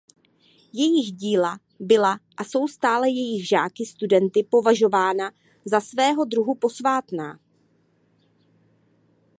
Jejich díla byla a jsou stále jejich žáky studenty považována za svého druhu posvátná.